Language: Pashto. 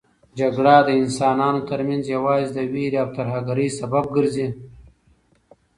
جګړه د انسانانو ترمنځ یوازې د وېرې او ترهګرۍ سبب ګرځي.